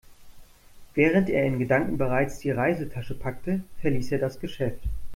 Während er in Gedanken bereits die Reisetasche packte, verließ er das Geschäft.